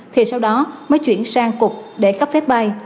thì sau đó mới chuyển sang cục để cấp phép bay